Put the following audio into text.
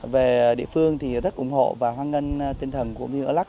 về địa phương thì rất ủng hộ và hoan nghênh tinh thần của viên ở lắk